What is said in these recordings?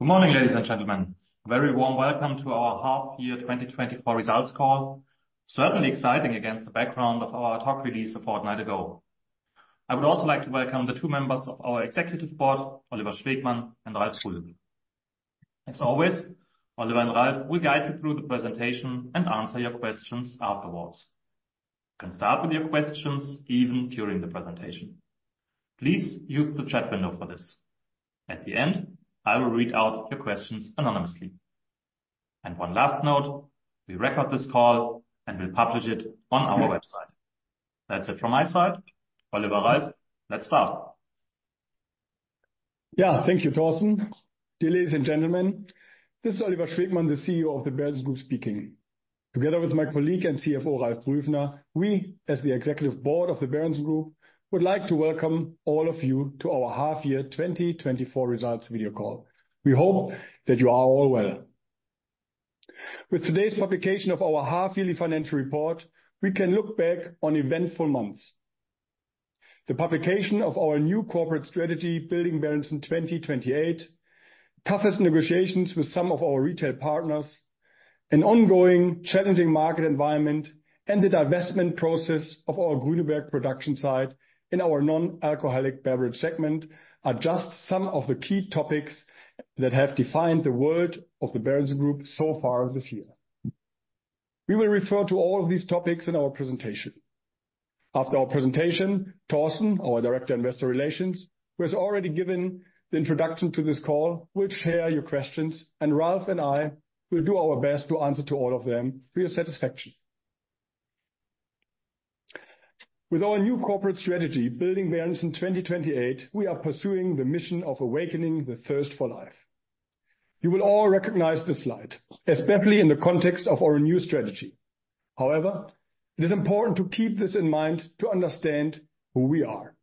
Good morning, ladies and gentlemen. A very warm welcome to our Half-Year 2024 Results Call. Certainly exciting against the background of our ad hoc release a fortnight ago. I would also like to welcome the two members of our executive board, Oliver Schwegmann and Ralf Brühöfner. As always, Oliver and Ralf will guide you through the presentation and answer your questions afterwards. You can start with your questions even during the presentation. Please use the chat window for this. At the end, I will read out your questions anonymously. And one last note, we record this call and will publish it on our website. That's it from my side. Oliver, Ralf, let's start! Yeah, thank you, Thorsten. Dear ladies and gentlemen, this is Oliver Schwegmann, the CEO of the Berentzen-Gruppe speaking. Together with my colleague and CFO, Ralf Brühöfner, we, as the executive board of the Berentzen-Gruppe, would like to welcome all of you to our Half-Year 2024 Results Video Call. We hope that you are all well. With today's publication of our half-yearly financial report, we can look back on eventful months. The publication of our new corporate strategy, Building Berentzen 2028, toughest negotiations with some of our retail partners, an ongoing challenging market environment, and the divestment process of our Grüneberg production site in our non-alcoholic beverage segment, are just some of the key topics that have defined the world of the Berentzen-Gruppe so far this year. We will refer to all of these topics in our presentation. After our presentation, Thorsten, our Director of Investor Relations, who has already given the introduction to this call, will share your questions, and Ralf and I will do our best to answer to all of them for your satisfaction. With our new corporate strategy, Building Berentzen 2028, we are pursuing the mission of awakening the thirst for life. You will all recognize this slide, especially in the context of our new strategy. However, it is important to keep this in mind to understand who we are.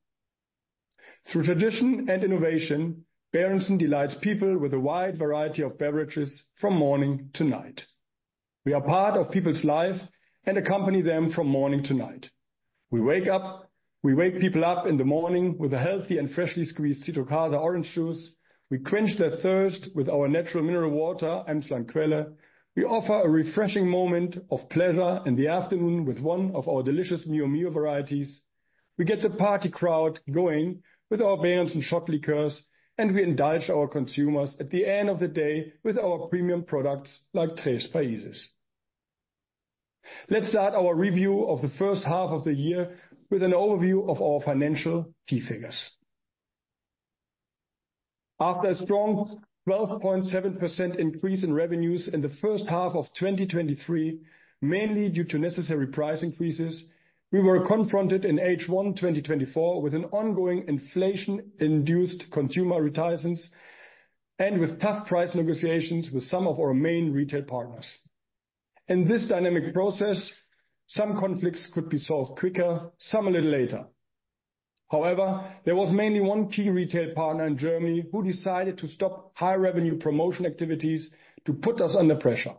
Through tradition and innovation, Berentzen delights people with a wide variety of beverages from morning to night. We are part of people's life and accompany them from morning to night. We wake people up in the morning with a healthy and freshly squeezed Citrocasa orange juice. We quench their thirst with our natural mineral water, Emsland Quelle. We offer a refreshing moment of pleasure in the afternoon with one of our delicious Mio Mio varieties. We get the party crowd going with our Berentzen shot liqueurs, and we indulge our consumers at the end of the day with our premium products like Tres Países. Let's start our review of the first half of the year with an overview of our financial key figures. After a strong 12.7% increase in revenues in the first half of 2023, mainly due to necessary price increases, we were confronted in H1 2024, with an ongoing inflation-induced consumer reticence and with tough price negotiations with some of our main retail partners. In this dynamic process, some conflicts could be solved quicker, some a little later. However, there was mainly one key retail partner in Germany who decided to stop high revenue promotion activities to put us under pressure.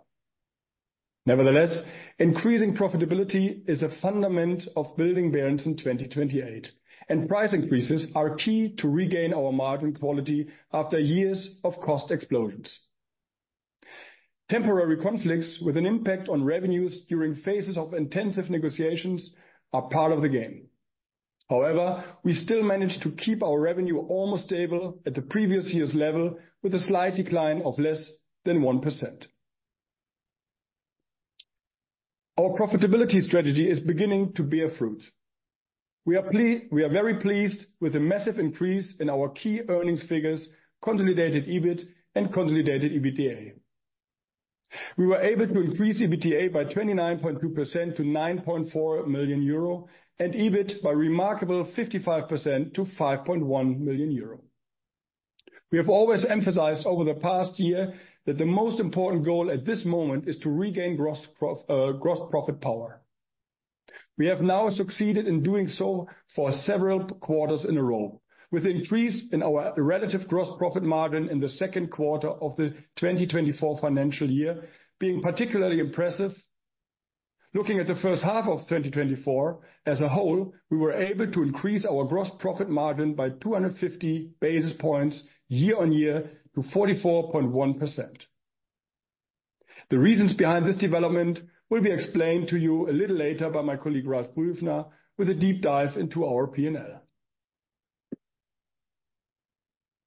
Nevertheless, increasing profitability is a fundament of Building Berentzen 2028, and price increases are key to regain our margin quality after years of cost explosions. Temporary conflicts with an impact on revenues during phases of intensive negotiations are part of the game. However, we still managed to keep our revenue almost stable at the previous year's level, with a slight decline of less than 1%. Our profitability strategy is beginning to bear fruit. We are very pleased with the massive increase in our key earnings figures, Consolidated EBIT and Consolidated EBITDA. We were able to increase EBITDA by 29.2% to 9.4 million euro and EBIT by remarkable 55% to 5.1 million euro. We have always emphasized over the past year that the most important goal at this moment is to regain gross profit power. We have now succeeded in doing so for several quarters in a row, with increase in our relative gross profit margin in the second quarter of the 2024 financial year being particularly impressive. Looking at the first half of 2024 as a whole, we were able to increase our gross profit margin by 250 basis points year-on-year to 44.1%. The reasons behind this development will be explained to you a little later by my colleague, Ralf Brühöfner, with a deep dive into our P&L.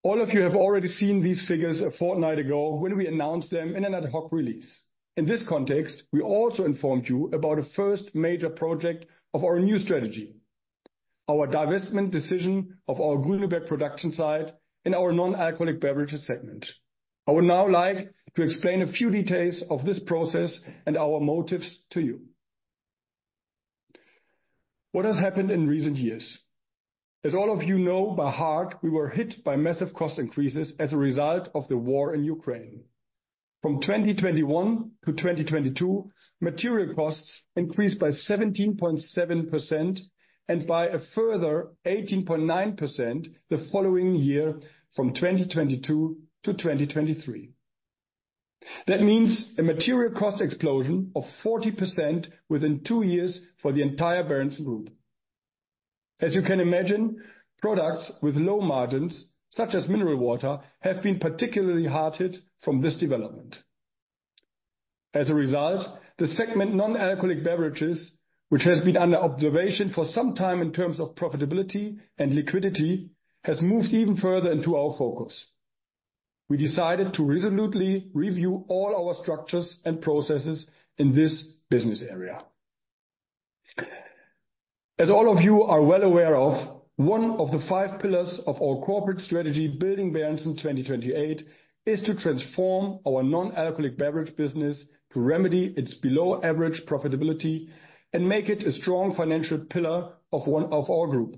All of you have already seen these figures a fortnight ago when we announced them in an ad hoc release. In this context, we also informed you about a first major project of our new strategy, our divestment decision of our Grüneberg production site in our non-alcoholic beverages segment. I would now like to explain a few details of this process and our motives to you. What has happened in recent years? As all of you know by heart, we were hit by massive cost increases as a result of the war in Ukraine. From 2021 to 2022, material costs increased by 17.7% and by a further 18.9% the following year, from 2022 to 2023. That means a material cost explosion of 40% within two years for the entire Berentzen-Gruppe. As you can imagine, products with low margins, such as mineral water, have been particularly hard hit from this development. As a result, the segment non-alcoholic beverages, which has been under observation for some time in terms of profitability and liquidity, has moved even further into our focus. We decided to resolutely review all our structures and processes in this business area. As all of you are well aware of, one of the five pillars of our corporate strategy, Building Berentzen 2028, is to transform our non-alcoholic beverage business to remedy its below average profitability and make it a strong financial pillar of one of our group.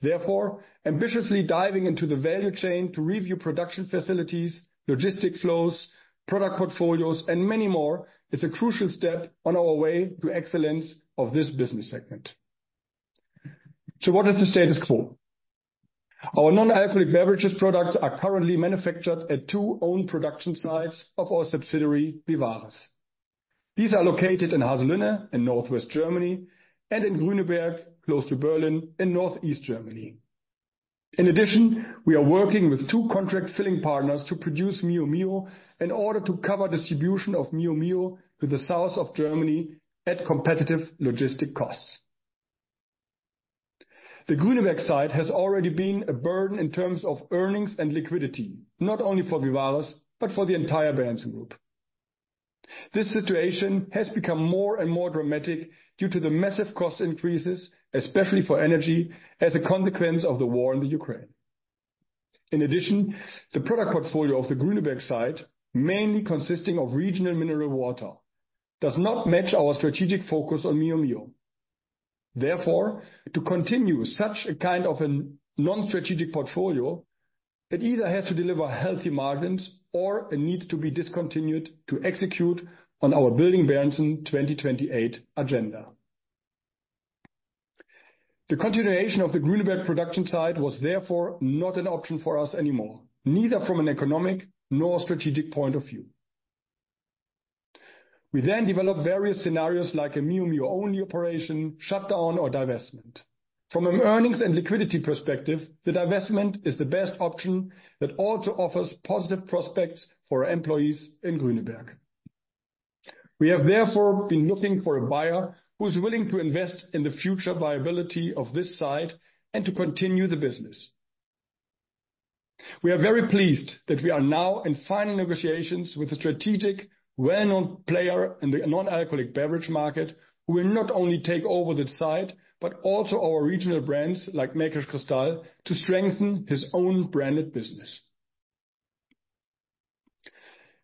Therefore, ambitiously diving into the value chain to review production facilities, logistic flows, product portfolios, and many more, is a crucial step on our way to excellence of this business segment. So what is the status quo? Our non-alcoholic beverages products are currently manufactured at two own production sites of our subsidiary, Vivaris. These are located in Haselünne, in Northwest Germany, and in Grüneberg, close to Berlin, in Northeast Germany. In addition, we are working with two contract filling partners to produce Mio Mio in order to cover distribution of Mio Mio to the south of Germany at competitive logistic costs. The Grüneberg site has already been a burden in terms of earnings and liquidity, not only for Vivaris, but for the entire Berentzen-Gruppe. This situation has become more and more dramatic due to the massive cost increases, especially for energy, as a consequence of the war in the Ukraine. In addition, the product portfolio of the Grüneberg site, mainly consisting of regional mineral water, does not match our strategic focus on Mio Mio. Therefore, to continue such a kind of a non-strategic portfolio, it either has to deliver healthy margins or it needs to be discontinued to execute on our Building Berentzen 2028 agenda. The continuation of the Grüneberg production site was therefore not an option for us anymore, neither from an economic nor a strategic point of view. We then developed various scenarios, like a Mio Mio-only operation, shutdown, or divestment. From an earnings and liquidity perspective, the divestment is the best option that also offers positive prospects for our employees in Grüneberg. We have therefore been looking for a buyer who is willing to invest in the future viability of this site and to continue the business. We are very pleased that we are now in final negotiations with a strategic, well-known player in the non-alcoholic beverage market, who will not only take over the site, but also our regional brands, like Märkisch Kristall, to strengthen his own branded business.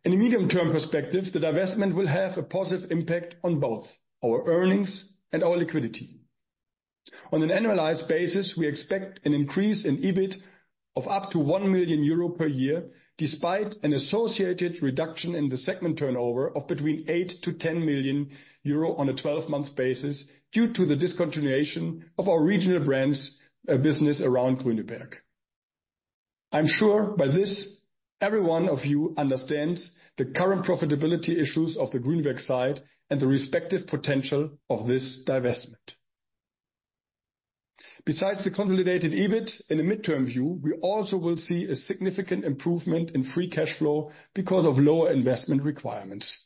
In the medium-term perspective, the divestment will have a positive impact on both our earnings and our liquidity. On an annualized basis, we expect an increase in EBIT of up to 1 million euro per year, despite an associated reduction in the segment turnover of between 8 million-10 million euro on a 12-month basis, due to the discontinuation of our regional brands, business around Grüneberg. I'm sure by this, every one of you understands the current profitability issues of the Grüneberg site and the respective potential of this divestment. Besides the consolidated EBIT, in the midterm view, we also will see a significant improvement in free cash flow because of lower investment requirements.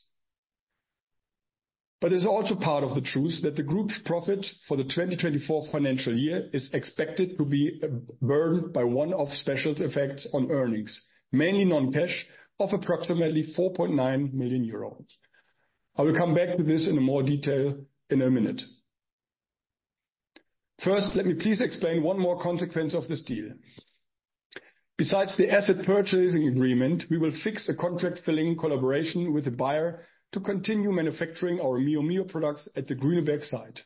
But it's also part of the truth that the group's profit for the 2024 financial year is expected to be burdened by one-off special effects on earnings, mainly non-cash, of approximately 4.9 million euros. I will come back to this in more detail in a minute. First, let me please explain one more consequence of this deal. Besides the asset purchasing agreement, we will fix a contract filling collaboration with the buyer to continue manufacturing our Mio Mio products at the Grüneberg site.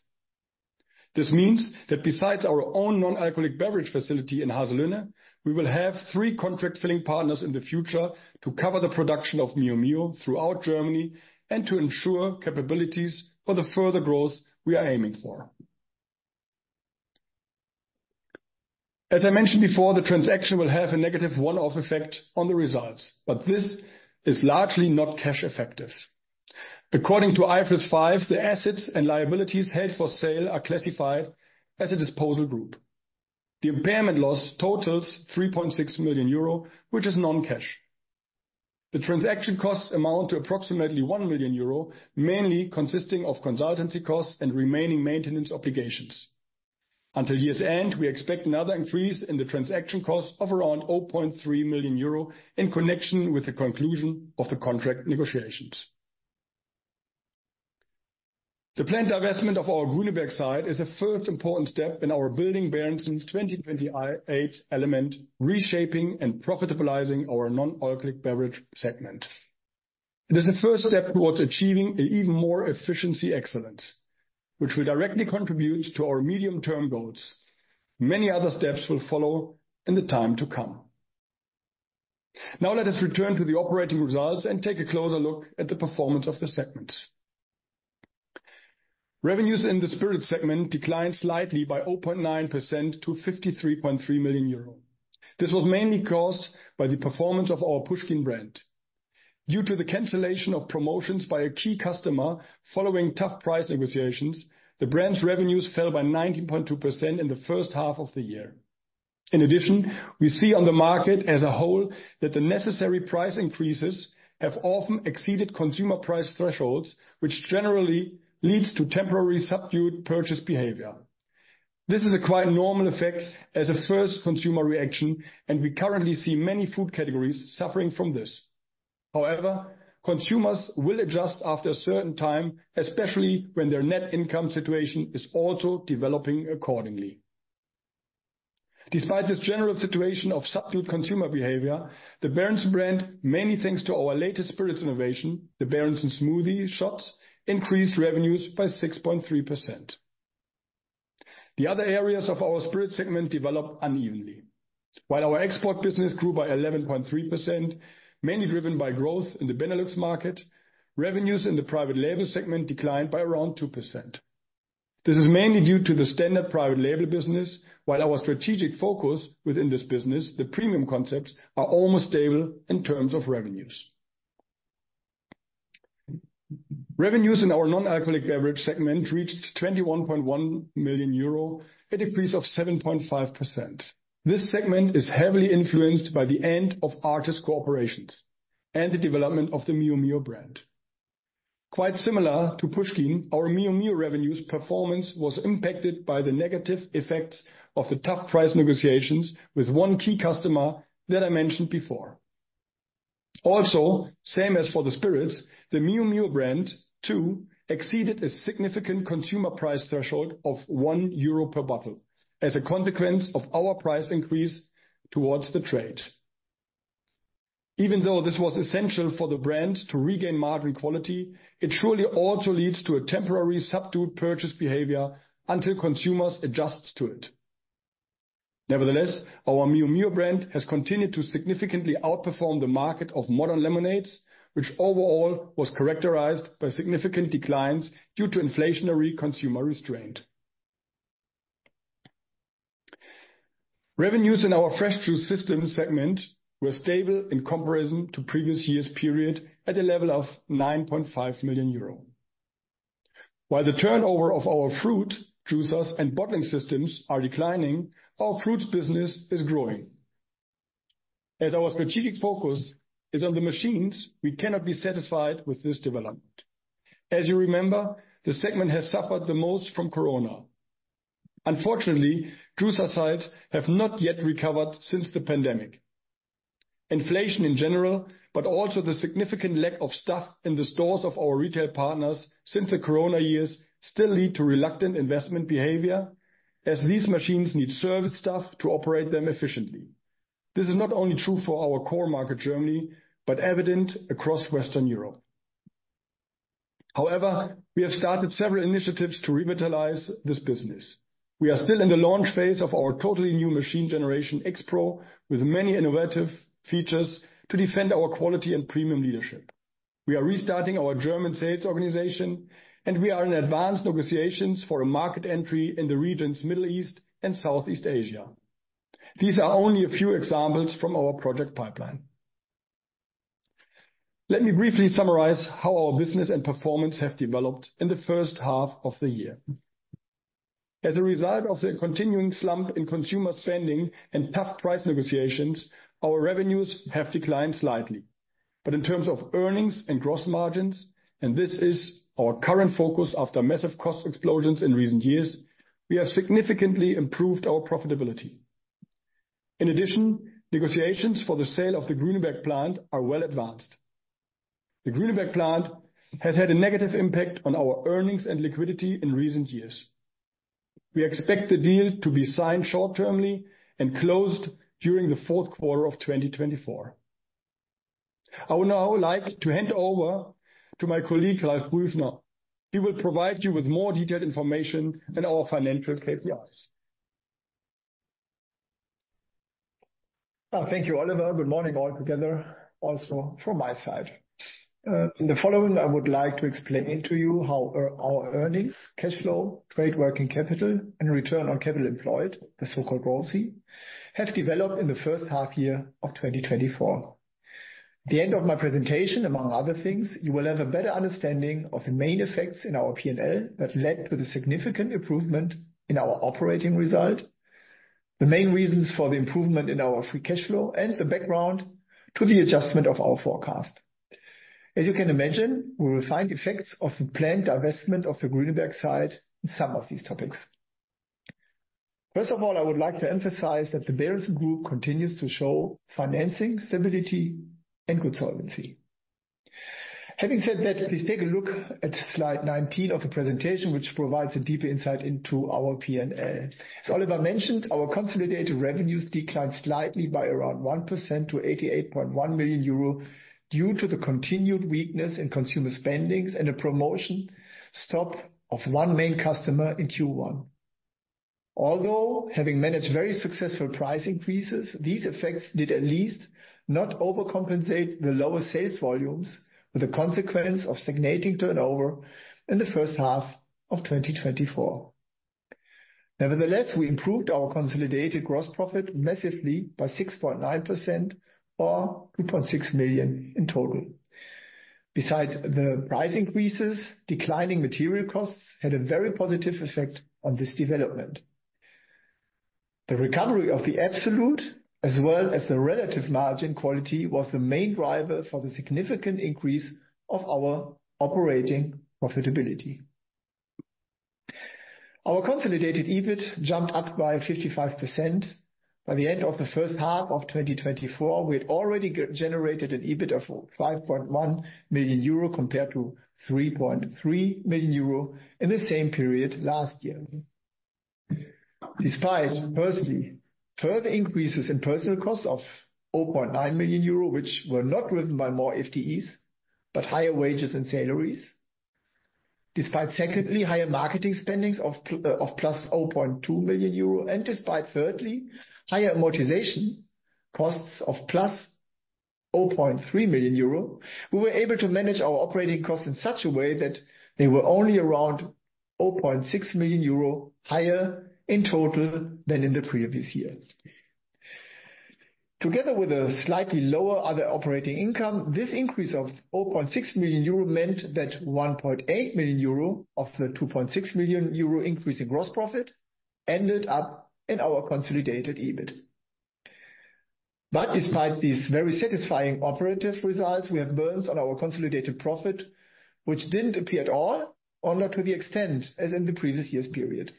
This means that besides our own non-alcoholic beverage facility in Haselünne, we will have three contract filling partners in the future to cover the production of Mio Mio throughout Germany, and to ensure capabilities for the further growth we are aiming for. As I mentioned before, the transaction will have a negative one-off effect on the results, but this is largely not cash effective. According to IFRS 5, the assets and liabilities held for sale are classified as a disposal group. The impairment loss totals 3.6 million euro, which is non-cash. The transaction costs amount to approximately 1 million euro, mainly consisting of consultancy costs and remaining maintenance obligations. Until year's end, we expect another increase in the transaction cost of around 0.3 million euro in connection with the conclusion of the contract negotiations. The planned divestment of our Grüneberg site is a first important step in our Building Berentzen 2028 element, reshaping and profitabilizing our non-alcoholic beverage segment. It is the first step towards achieving an even more efficiency excellence, which will directly contribute to our medium-term goals. Many other steps will follow in the time to come. Now let us return to the operating results and take a closer look at the performance of the segments. Revenues in the spirit segment declined slightly by 0.9% to 53.3 million euro. This was mainly caused by the performance of our Puschkin brand. Due to the cancellation of promotions by a key customer following tough price negotiations, the brand's revenues fell by 19.2% in the first half of the year. In addition, we see on the market as a whole, that the necessary price increases have often exceeded consumer price thresholds, which generally leads to temporary subdued purchase behavior. This is a quite normal effect as a first consumer reaction, and we currently see many food categories suffering from this. However, consumers will adjust after a certain time, especially when their net income situation is also developing accordingly. Despite this general situation of subdued consumer behavior, the Berentzen brand, many thanks to our latest spirits innovation, the Berentzen Smoothie Shots, increased revenues by 6.3%. The other areas of our spirit segment developed unevenly. While our export business grew by 11.3%, mainly driven by growth in the Benelux market, revenues in the private label segment declined by around 2%. This is mainly due to the standard private label business, while our strategic focus within this business, the premium concepts, are almost stable in terms of revenues. Revenues in our non-alcoholic beverage segment reached 21.1 million euro, a decrease of 7.5%. This segment is heavily influenced by the end of artist cooperations and the development of the Mio Mio brand. Quite similar to Puschkin, our Mio Mio revenues performance was impacted by the negative effects of the tough price negotiations with one key customer that I mentioned before. Also, same as for the spirits, the Mio Mio brand, too, exceeded a significant consumer price threshold of 1 euro per bottle as a consequence of our price increase towards the trade. Even though this was essential for the brand to regain margin quality, it surely also leads to a temporary subdued purchase behavior until consumers adjust to it. Nevertheless, our Mio Mio brand has continued to significantly outperform the market of modern lemonades, which overall was characterized by significant declines due to inflationary consumer restraint. Revenues in our fresh juice system segment were stable in comparison to previous years' period, at a level of 9.5 million euro. While the turnover of our fruit juicers and bottling systems are declining, our fruits business is growing. As our strategic focus is on the machines, we cannot be satisfied with this development. As you remember, the segment has suffered the most from Corona. Unfortunately, juicer sites have not yet recovered since the pandemic. Inflation in general, but also the significant lack of staff in the stores of our retail partners since the Corona years, still lead to reluctant investment behavior, as these machines need service staff to operate them efficiently. This is not only true for our core market, Germany, but evident across Western Europe. However, we have started several initiatives to revitalize this business. We are still in the launch phase of our totally new machine generation, xPro, with many innovative features to defend our quality and premium leadership. We are restarting our German sales organization, and we are in advanced negotiations for a market entry in the regions Middle East and Southeast Asia. These are only a few examples from our project pipeline. Let me briefly summarize how our business and performance have developed in the first half of the year. As a result of the continuing slump in consumer spending and tough price negotiations, our revenues have declined slightly. But in terms of earnings and gross margins, and this is our current focus after massive cost explosions in recent years, we have significantly improved our profitability. In addition, negotiations for the sale of the Grüneberg plant are well advanced. The Grüneberg plant has had a negative impact on our earnings and liquidity in recent years. We expect the deal to be signed short-termly and closed during the fourth quarter of 2024. I would now like to hand over to my colleague, Ralf Brühöfner. He will provide you with more detailed information on our financial KPIs. Thank you, Oliver. Good morning all together, also from my side. In the following, I would like to explain to you how our earnings, cash flow, trade working capital, and return on capital employed, the so-called ROCE, have developed in the first half year of 2024. At the end of my presentation, among other things, you will have a better understanding of the main effects in our P&L that led to the significant improvement in our operating result, the main reasons for the improvement in our free cash flow, and the background to the adjustment of our forecast. As you can imagine, we will find effects of the planned divestment of the Grüneberg site in some of these topics. First of all, I would like to emphasize that the Berentzen-Gruppe continues to show financing stability and good solvency. Having said that, please take a look at slide 19 of the presentation, which provides a deeper insight into our P&L. As Oliver mentioned, our consolidated revenues declined slightly by around 1% to 88.1 million euro, due to the continued weakness in consumer spendings and a promotion stop of one main customer in Q1. Although having managed very successful price increases, these effects did at least not overcompensate the lower sales volumes, with a consequence of stagnating turnover in the first half of 2024. Nevertheless, we improved our consolidated gross profit massively by 6.9% or 2.6 million in total. Besides the price increases, declining material costs had a very positive effect on this development. The recovery of the absolute, as well as the relative margin quality, was the main driver for the significant increase of our operating profitability. Our consolidated EBIT jumped up by 55%. By the end of the first half of 2024, we had already generated an EBIT of 5.1 million euro, compared to 3.3 million euro in the same period last year. Despite, firstly, further increases in personnel costs of 0.9 million euro, which were not driven by more FTEs, but higher wages and salaries. Despite, secondly, higher marketing spending of +0.2 million euro, and despite, thirdly, higher amortization costs of +0.3 million euro, we were able to manage our operating costs in such a way that they were only around 0.6 million euro higher in total than in the previous year. Together with a slightly lower other operating income, this increase of 0.6 million euro meant that 1.8 million euro of the 2.6 million euro increase in gross profit ended up in our consolidated EBIT. But despite these very satisfying operative results, we have burdens on our consolidated profit, which didn't appear at all or not to the extent as in the previous years' period.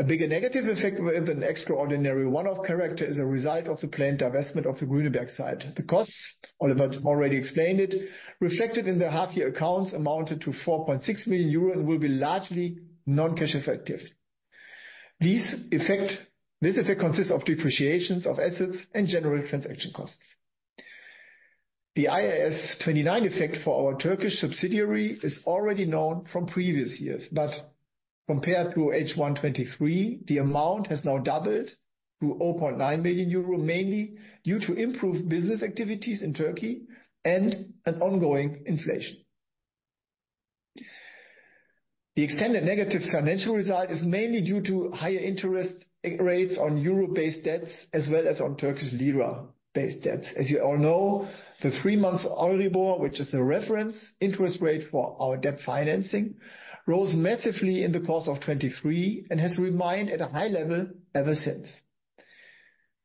A bigger negative effect with an extraordinary one-off character as a result of the planned divestment of the Grüneberg site. The costs, Oliver already explained it, reflected in the half-year accounts amounted to 4.6 million euro and will be largely non-cash effective. This effect consists of depreciations of assets and general transaction costs. The IAS 29 effect for our Turkish subsidiary is already known from previous years, but compared to H1 2023, the amount has now doubled to 0.9 million euro, mainly due to improved business activities in Turkey and an ongoing inflation. The extended negative financial result is mainly due to higher interest rates on euro-based debts as well as on Turkish lira-based debts. As you all know, the three-month Euribor, which is the reference interest rate for our debt financing, rose massively in the course of 2023 and has remained at a high level ever since.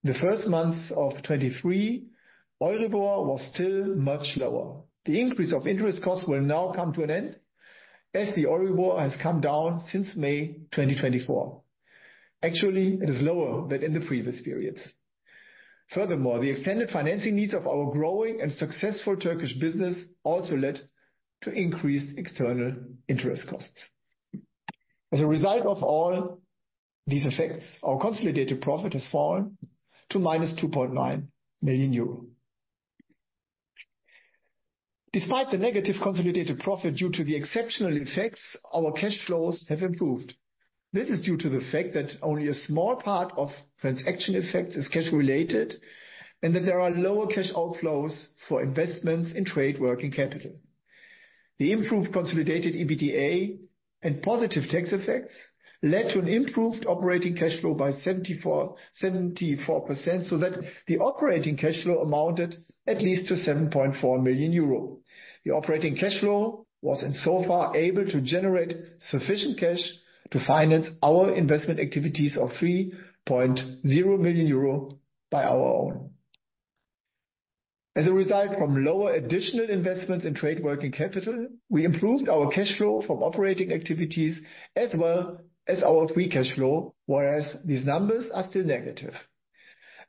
The first months of 2023, Euribor was still much lower. The increase of interest costs will now come to an end as the Euribor has come down since May 2024. Actually, it is lower than in the previous periods. Furthermore, the extended financing needs of our growing and successful Turkish business also led to increased external interest costs. As a result of all these effects, our consolidated profit has fallen to -2.9 million euro. Despite the negative consolidated profit due to the exceptional effects, our cash flows have improved. This is due to the fact that only a small part of transaction effects is cash related, and that there are lower cash outflows for investments in trade working capital. The improved consolidated EBITDA and positive tax effects led to an improved operating cash flow by 74%, 74%, so that the operating cash flow amounted at least to 7.4 million euro. The operating cash flow was in so far able to generate sufficient cash to finance our investment activities of 3.0 million euro by our own. As a result from lower additional investments in trade working capital, we improved our cash flow from operating activities as well as our free cash flow, whereas these numbers are still negative.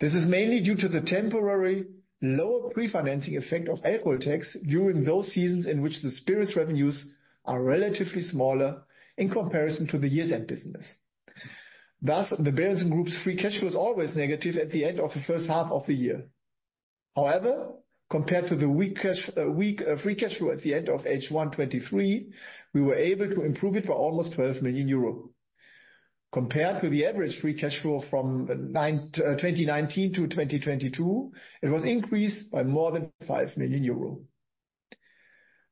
This is mainly due to the temporary lower pre-financing effect of alcohol tax during those seasons in which the spirits revenues are relatively smaller in comparison to the year's end business. Thus, the Berentzen-Gruppe's free cash flow is always negative at the end of the first half of the year. However, compared to the weak cash, weak, free cash flow at the end of H1 2023, we were able to improve it by almost 12 million euro. Compared to the average free cash flow from 2019-2022, it was increased by more than 5 million euro.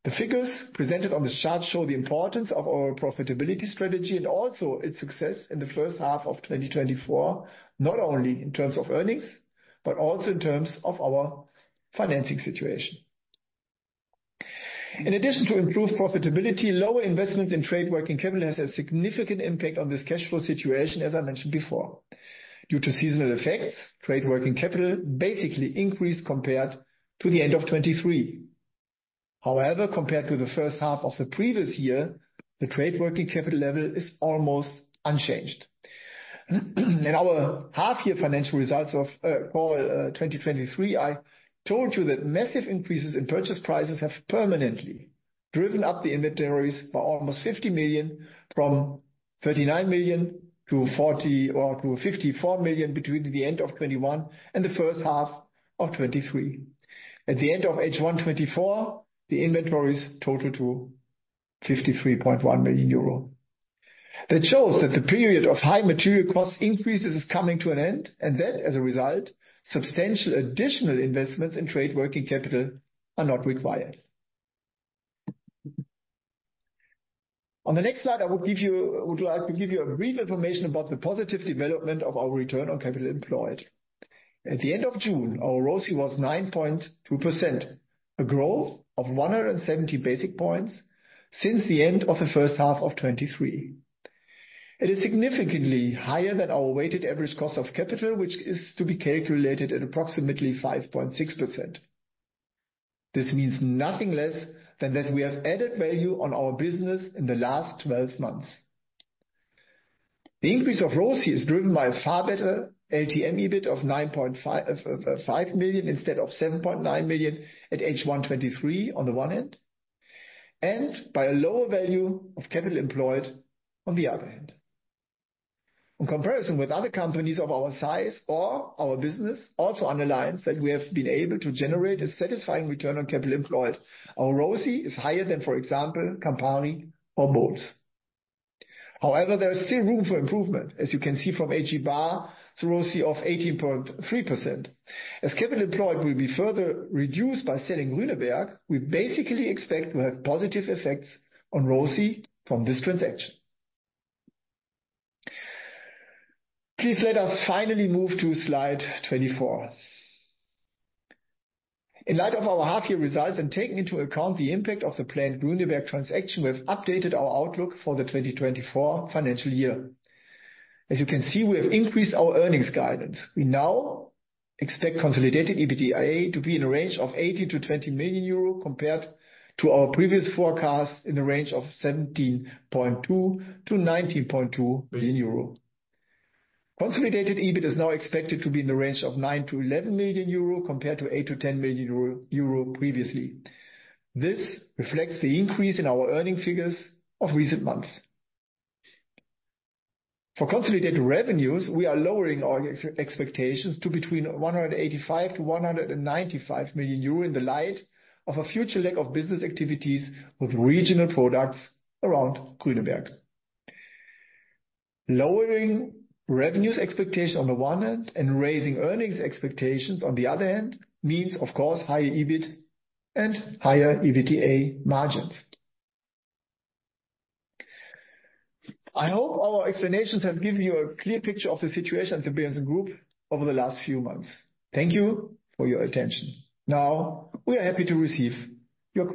The figures presented on this chart show the importance of our profitability strategy and also its success in the first half of 2024, not only in terms of earnings, but also in terms of our financing situation. In addition to improved profitability, lower investments in trade working capital has a significant impact on this cash flow situation, as I mentioned before. Due to seasonal effects, trade working capital basically increased compared to the end of 2023. However, compared to the first half of the previous year, the trade working capital level is almost unchanged. In our half year financial results for 2023, I told you that massive increases in purchase prices have permanently driven up the inventories by almost 50 million, from 39 million to 40 or to 54 million between the end of 2021 and the first half of 2023. At the end of H1 2024, the inventories totaled to 53.1 million euro. That shows that the period of high material cost increases is coming to an end, and that, as a result, substantial additional investments in trade working capital are not required. On the next slide, I will give you—would like to give you a brief information about the positive development of our return on capital employed. At the end of June, our ROCE was 9.2%, a growth of 170 basis points since the end of the first half of 2023. It is significantly higher than our weighted average cost of capital, which is to be calculated at approximately 5.6%. This means nothing less than that we have added value on our business in the last twelve months. The increase of ROCE is driven by a far better LTM EBIT of 9.55 million instead of 7.9 million at H1 2023 on the one hand, and by a lower value of capital employed on the other hand. In comparison with other companies of our size or our business also underlines that we have been able to generate a satisfying return on capital employed. Our ROCE is higher than, for example, Campari or Molson. However, there is still room for improvement, as you can see from A.G. Barr's ROCE of 18.3%. As capital employed will be further reduced by selling Grüneberg, we basically expect to have positive effects on ROCE from this transaction. Please let us finally move to slide 24. In light of our half-year results, and taking into account the impact of the planned Grüneberg transaction, we have updated our outlook for the 2024 financial year. As you can see, we have increased our earnings guidance. We now expect consolidated EBITDA to be in a range of 18 million-20 million euro, compared to our previous forecast in the range of 17.2 million-19.2 million euro. Consolidated EBIT is now expected to be in the range of 9 million-11 million euro, compared to 8 million-10 million euro previously. This reflects the increase in our earning figures of recent months. For consolidated revenues, we are lowering our expectations to between 185 million and 195 million euro in the light of a future lack of business activities with regional products around Grüneberg. Lowering revenue expectations on the one hand and raising earnings expectations on the other hand means, of course, higher EBIT and higher EBITDA margins. I hope our explanations have given you a clear picture of the situation at the Berentzen-Gruppe over the last few months. Thank you for your attention. Now we are happy to receive your questions.